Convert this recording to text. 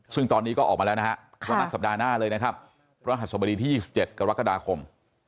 ซึ่งตอนนี้ก็ออกมาแล้วนะครับสัปดาห์หน้าเลยนะครับประธานสภาที่๒๗กรกฎาคม